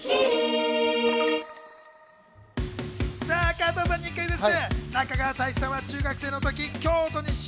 加藤さんにクイズッス。